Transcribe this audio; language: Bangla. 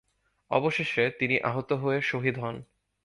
অবশেষে তিনি আহত হয়ে শহীদ হন।